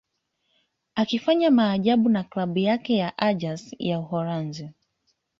akifanya maajabu na klabu yake ya Ajax ya Uholanzi